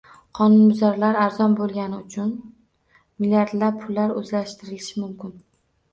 Qonunbuzarlar arzon bo'lgani uchun, milliardlab pullar o'zlashtirilishi mumkin